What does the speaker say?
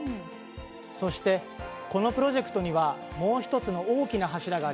そして、このプロジェクトにはもう１つの大きな柱があります。